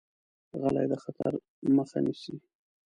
غلی، د خطر مخه نیسي.